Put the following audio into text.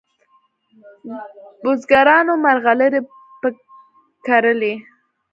بزګرانو مرغلري په کرلې